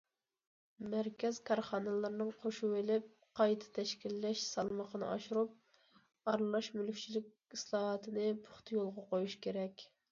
مەركەز كارخانىلىرىنىڭ قوشۇۋېلىپ قايتا تەشكىللەش سالمىقىنى ئاشۇرۇپ، ئارىلاش مۈلۈكچىلىك ئىسلاھاتىنى پۇختا يولغا قويۇش كېرەك.